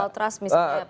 soal trust misalnya